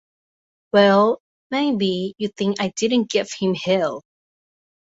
Well, maybe you think I didn't give him hell!